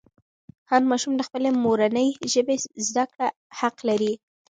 هر ماشوم د خپلې مورنۍ ژبې زده کړه حق لري.